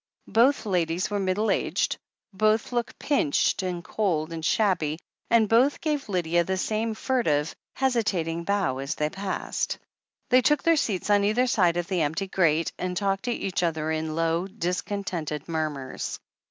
Both ladies were middle aged, both looked pinched and cold and shabby, and both gave Lydia the same furtive, hesitating bow as they passed. Thqr took their seats on either side of the empty grate, an^* talked to each other in low, discontented murmurs.